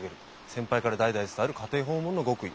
先輩から代々伝わる家庭訪問の極意。